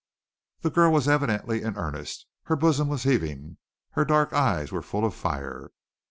The girl was evidently in earnest. Her bosom was heaving, her dark eyes were full of fire.